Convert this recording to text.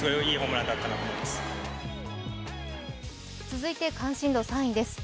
続いて関心度３位です。